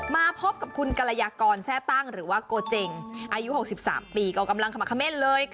มาพบกับคุณกรยากรแซ่ตั้งหรือว่าโกเจงอายุ๖๓ปีก็กำลังขมักเม่นเลย